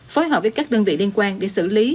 phối hợp với các đơn vị liên quan để xử lý